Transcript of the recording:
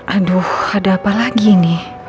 aduh ada apa lagi nih